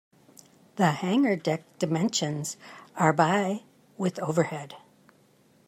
The hangar deck dimensions are by - with overhead.